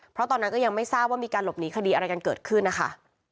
เพราะตอนนั้นก็ยังไม่ทราบว่ามีการหลบหนีคดีอะไรกันเกิดขึ้นนะคะ